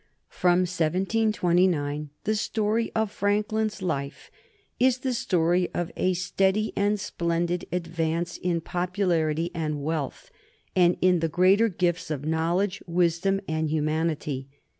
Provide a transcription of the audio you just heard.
From 1729 the story of Franklin's life is the story of a steady and splendid advance in popularity and wealth, and in the greater gifts of knowledge, wisdom, and humanity.